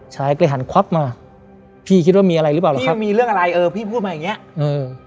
ชายก็เลยหันควับมาพี่คิดว่ามีอะไรหรือเปล่าหรือครับมีเรื่องอะไรเออพี่พูดมาอย่างเงี้เออ